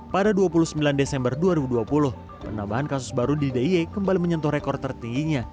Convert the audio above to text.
pada dua puluh sembilan desember dua ribu dua puluh penambahan kasus baru di d i e kembali menyentuh rekor tertingginya